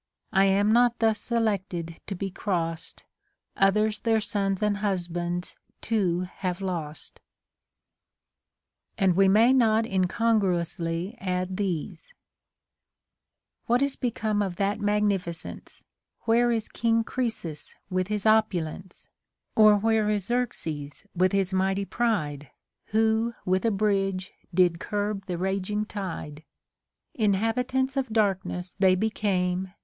' I am not thus selected to be crossed, Others their sons and husbands too have lost.t And we may not incongruously add these :— What is become of that magnificence ? Where is King Croesus with his opulence 1 Or where is Xerxes with his mighty pride, Who with a bridge did curb the raging tide ? Inhabitants of darkness they became.